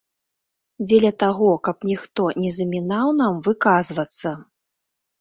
Дзеля таго, каб ніхто не замінаў нам выказвацца.